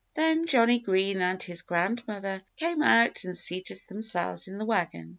Then Johnnie Green and his grandmother came out and seated themselves in the wagon.